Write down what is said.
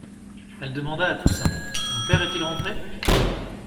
Elle demanda à Toussaint: — Mon père est-il rentré?